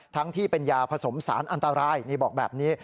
ที่เป็นยาผสมสารอันตรายนี่บอกแบบนี้